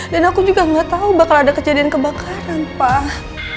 aku juga gak tau bakal ada kejadian kebakaran pak